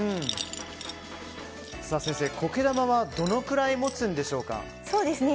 先生、苔玉はどのくらい持つんでしょうか？